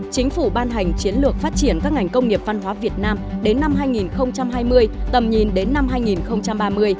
chính phủ ban hành chiến lược phát triển các ngành công nghiệp văn hóa việt nam đến năm hai nghìn hai mươi tầm nhìn đến năm hai nghìn ba mươi